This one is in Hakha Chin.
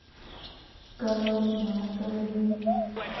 Ka lohma ka lim.